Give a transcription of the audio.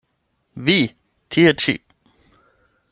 Vi, tie ĉi!